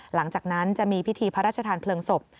หลังจากนั้นจะมีพิธีพระราชทานเพลิงศพ